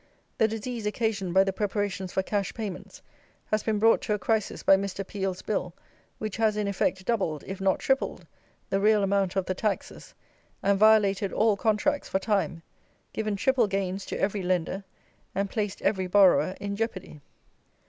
The disease occasioned by the preparations for cash payments, has been brought to a crisis by Mr. Peel's Bill, which has, in effect, doubled, if not tripled, the real amount of the taxes, and violated all contracts for time; given triple gains to every lender, and placed every borrower in jeopardy.